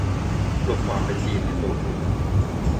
ปลุกความเป็นจีนในตัวคุณ